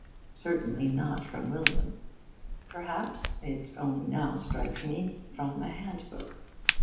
Certainly not from William. Perhaps (it only now strikes me) from a handbook.